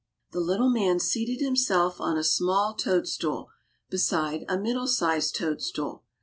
The Little Man seated himself on a small toadstool, beside a middle sized toadstool.